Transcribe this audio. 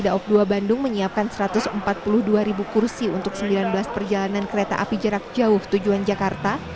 daob dua bandung menyiapkan satu ratus empat puluh dua kursi untuk sembilan belas perjalanan kereta api jarak jauh tujuan jakarta